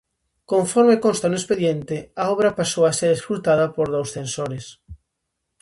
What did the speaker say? Conforme consta no expediente, a obra pasou a ser escrutada por dous censores.